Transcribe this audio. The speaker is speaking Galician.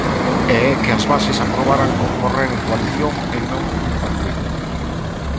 E é que as bases aprobaran concorrer en coalición e non nun partido.